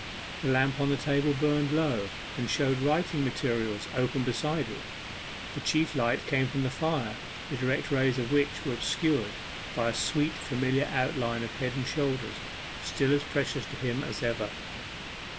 The lamp on the table burned low, and showed writing materials open beside it; the chief light came from the fire, the direct rays of which were obscured by a sweet familiar outline of head and shoulders still as precious to him as ever.